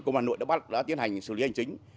công an hà nội đã tiến hành xử lý hành chính